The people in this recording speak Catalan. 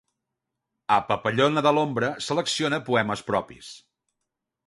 A “Papallona de l'ombra”, selecciona poemes propis.